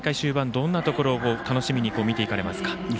どんなところを楽しみに見ていかれますか。